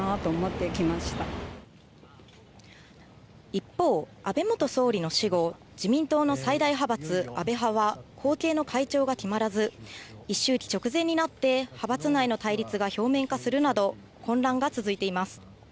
一方、安倍元総理の死後、自民党の最大派閥安倍派は後継の会長が決まらず、一周忌直前になって派閥内の対立が表面化するなど、混乱が続いています。